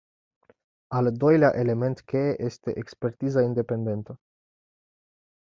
Al doilea element cheie este "expertiza independentă”.